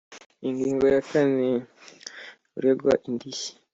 Ingingo ya kane Uregwa indishyi